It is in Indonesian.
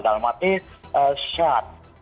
dalam arti saat